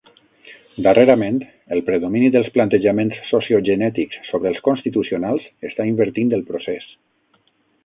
Darrerament, el predomini dels plantejaments sociogenètics sobre els constitucionals està invertint el procés.